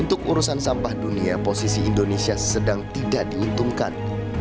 untuk urusan sampah dunia posisi indonesia sedang tidak diuntungkan